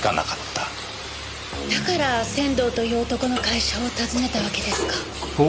だから仙道という男の会社を訪ねたわけですか。